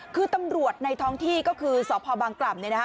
คือตำรวจในท้องที่ก็คือสพบางกล่ำเนี่ยนะคะ